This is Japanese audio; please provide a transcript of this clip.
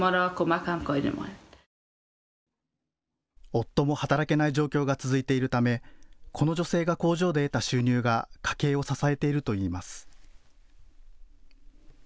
夫も働けない状況が続いているためこの女性が工場で得た収入が家計を支えているといいます。